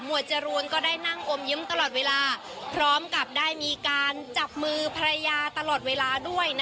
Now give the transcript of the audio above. หมวดจรูนก็ได้นั่งอมยิ้มตลอดเวลา